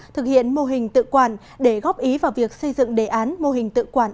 thực hiện mô hình tự quản để góp ý vào việc xây dựng đề án mô hình tự quản